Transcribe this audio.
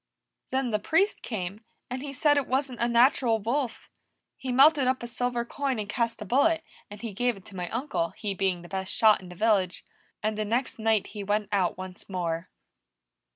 "Then the Priest came, and he said it wasn't a natural wolf. He melted up a silver coin and cast a bullet, and he gave it to my uncle, he being the best shot in the village. And the next night he went out once more."